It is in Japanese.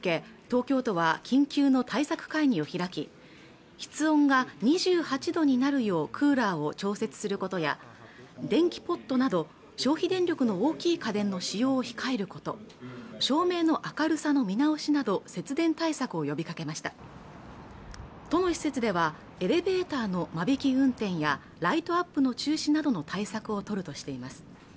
東京都は緊急の対策会議を開き室温が２８度になるようクーラーを調節する事や電気ポットなど消費電力の大きい家電の使用を控えること照明の明るさの見直しなど節電対策を呼びかけました都の施設ではエレベーターの間引き運転やライトアップの中止などの対策を取るとしています